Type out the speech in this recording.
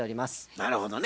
なるほどね。